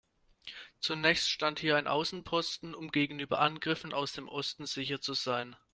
Zunächst stand hier ein Außenposten, um gegenüber Angriffen aus dem Osten sicher zu sein.